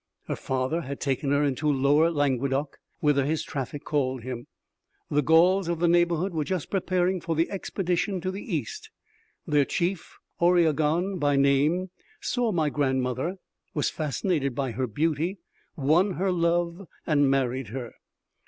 Her father had taken her into lower Languedoc whither his traffic called him. The Gauls of the neighborhood were just preparing for the expedition to the East. Their chief, Oriegon by name, saw my grandmother, was fascinated by her beauty, won her love and married her.